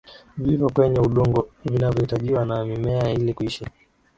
vilivyo kwenye udongo vinavyohitajiwa na mimea ili kuishi